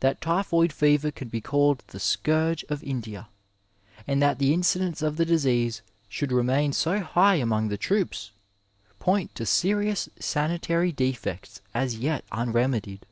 That typhoid fever can be called the ^^ scourge of India," and that the incidence of the disease should remain so high among the troops point to serious sanitary defects as yet unremedied.